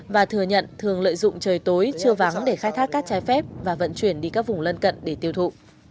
và thừa nhận thường lợi dụng trời tối chưa vắng để khai thác cát trái phép và vận chuyển đi các vùng lân cận để tiêu thụ